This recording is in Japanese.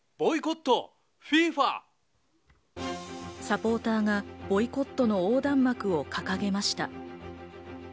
サポーターがボイコットの横断幕を掲げました。